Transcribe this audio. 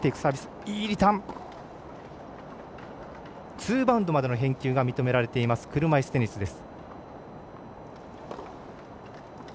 ツーバウンドまでの返球が認められている車いすテニスです。